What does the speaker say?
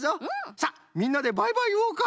さあみんなでバイバイいおうか。